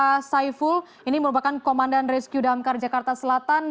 pak saiful ini merupakan komandan rescue damkar jakarta selatan